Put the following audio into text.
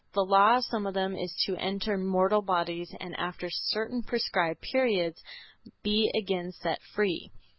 The law of some of them is to enter mortal bodies, and after certain prescribed periods be again set free."